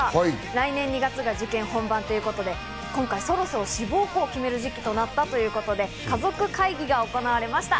来年２月が受験本番ということで、今回そろそろ志望校を決める時期となったということで、家族会議が行われました。